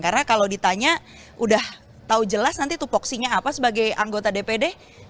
karena kalau ditanya udah tahu jelas nanti tuh voksinya apa sebagai anggota dpd